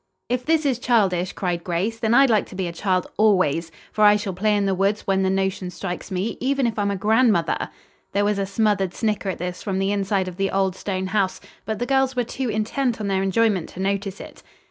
"If this is childish," cried Grace, "then I'd like to be a child always, for I shall play in the woods when the notion strikes me, even if I'm a grandmother." There was a smothered snicker at this from the inside of the old stone house, but the girls were too intent on their enjoyment to notice it.